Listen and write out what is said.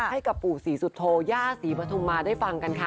ให้กับปู่ศรีสุโธย่าศรีปฐุมมาได้ฟังกันค่ะ